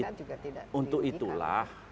nah untuk itulah